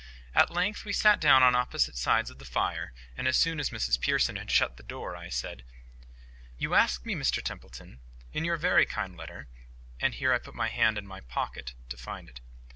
At length we sat down on opposite sides of the fire; and as soon as Mrs Pearson had shut the door, I said,— "You ask me, Mr Templeton, in your very kind letter—" and here I put my hand in my pocket to find it.